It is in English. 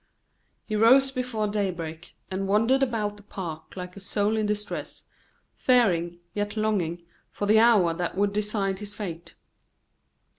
He rose before daybreak, and wandered about the park like a soul in distress, fearing, yet longing, for the hour that would decide his fate.